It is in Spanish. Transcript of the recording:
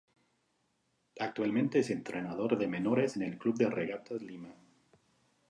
Actualmente es entrenador de menores, en el Club de Regatas Lima.